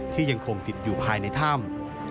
ยังคงติดอยู่ภายในถ้ำ